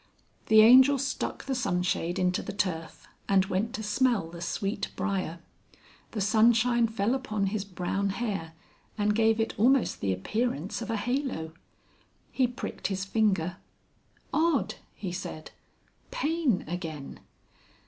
The Angel stuck the sunshade into the turf and went to smell the sweet briar. The sunshine fell upon his brown hair and gave it almost the appearance of a halo. He pricked his finger. "Odd!" he said. "Pain again."